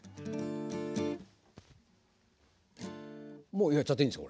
もうやっちゃっていいんですか？